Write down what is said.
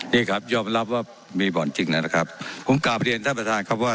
นี่ครับยอมรับว่ามีบ่อนจริงแล้วนะครับผมกลับเรียนท่านประธานครับว่า